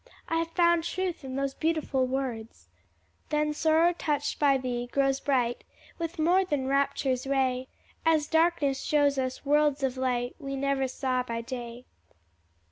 I have found truth in those beautiful words, 'Then sorrow touched by Thee, grows bright With more than rapture's ray, As darkness shows us worlds of light We never saw by day.'"